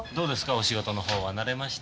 お仕事の方は慣れました？